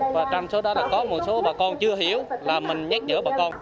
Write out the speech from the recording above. và trong số đó có một số bà con chưa hiểu là mình nhắc nhở bà con